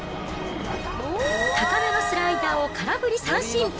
高めのスライダーを空振り三振。